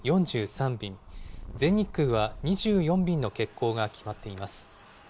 便全日空は２４便の欠航が決まっています。